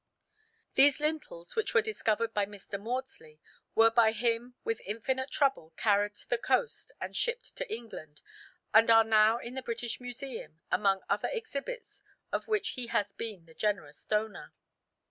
These lintels, which were discovered by Mr. Maudslay, were by him with infinite trouble carried to the coast and shipped to England, and are now in the British Museum among other exhibits of which he has been the generous donor.